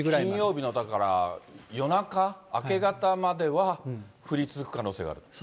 金曜日のだから夜中、明け方までは降り続く可能性がある？